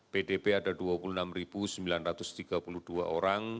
pdp ada dua puluh enam sembilan ratus tiga puluh dua orang